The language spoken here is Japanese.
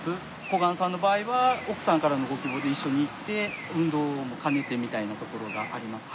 小雁さんの場合は奥さんからのご希望で一緒に行って運動も兼ねてみたいなところがあります。